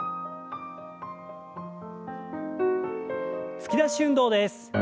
突き出し運動です。